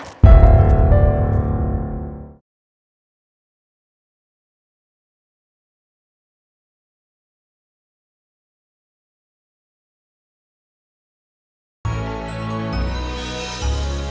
di daerah karena sudah senang